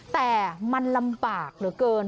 แต่มันลำบากเหลือเกิน